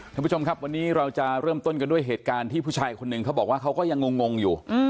ท่านผู้ชมครับวันนี้เราจะเริ่มต้นกันด้วยเหตุการณ์ที่ผู้ชายคนหนึ่งเขาบอกว่าเขาก็ยังงงอยู่